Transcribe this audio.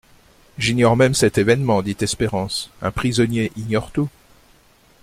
J'ignore même cet événement, dit Espérance, un prisonnier ignore tout.